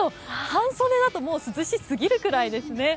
半袖だともう涼しすぎるくらいですね。